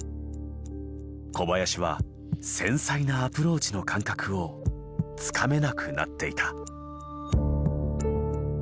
小林は繊細なアプローチの感覚をつかめなくなっていた。